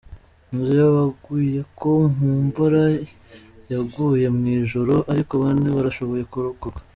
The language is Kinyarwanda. Inzu yabaguyeko mu mvura yaguye mw'ijoro ariko bane barashoboye kurokoka.